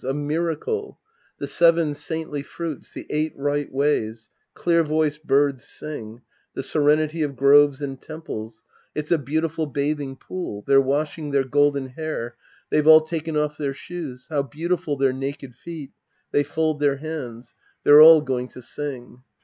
A miracle ! The Seven Saintly Fruits, the Eight Right Ways — clear voiced birds sing — the serenity of groves and temples — ^it's a beautiful bathing pool. They're washing their golden hair. They've all taken off their shoes. How beautiful their naked feet 1 They fold their hands. They're all going to sing.